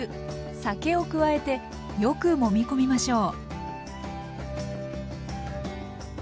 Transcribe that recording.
酒を加えてよくもみ込みましょう。